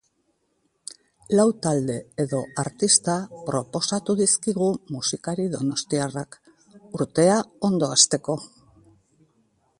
Lau talde edo artista proposatu dizkigu musikari donostiarrak, urtea ondo hasteko.